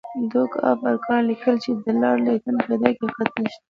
ډوک آف ارګایل لیکي چې د لارډ لیټن په ادعا کې حقیقت نشته.